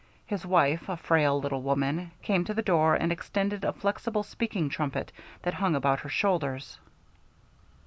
His wife, a frail little woman, came to the door and extended a flexible speaking trumpet that hung about her shoulders.